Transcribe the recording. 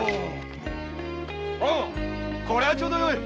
これはちょうどよい！